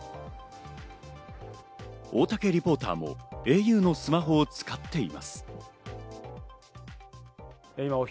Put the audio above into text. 大竹リポーターもａｕのスマホを使っています。